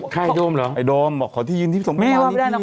ค่ะไอ้โดมเหรอไอ้โดมบอกขอที่ยืนที่ส่งไม่ไม่เอาไปด้านนั้น